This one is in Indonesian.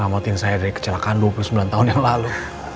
sama tim saya dari kecelakaan dua puluh sembilan tahun yang lalu